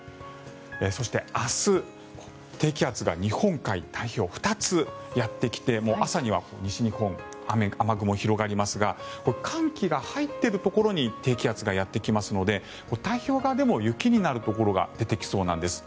そして、明日低気圧が日本海、太平洋に２つやってきて朝には西日本雨雲が広がりますが寒気が入っているところに低気圧がやってきますので太平洋でも雪になるところが出てきそうなんです。